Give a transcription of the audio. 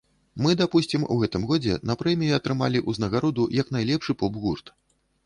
Мы, дапусцім, у гэтым годзе на прэміі атрымалі ўзнагароду як найлепшы поп-гурт.